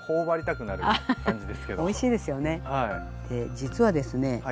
実はですね